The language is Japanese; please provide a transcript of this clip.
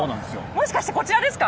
もしかしてこちらですか？